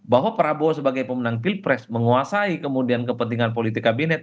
bahwa prabowo sebagai pemenang pilpres menguasai kemudian kepentingan politik kabinet